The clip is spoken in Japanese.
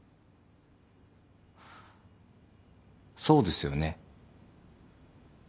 そうですよね？